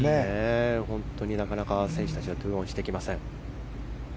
本当になかなか選手たちが２オンしてきません。